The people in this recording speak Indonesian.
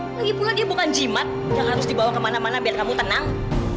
lagi pula dia bukan jimat yang harus dibawa kemana mana biar kamu tenang